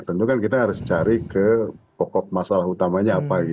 tentu kan kita harus cari ke pokok masalah utamanya apa